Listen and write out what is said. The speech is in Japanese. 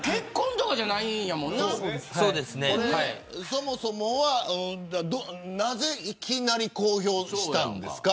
そもそもは、なぜいきなり公表したんですか。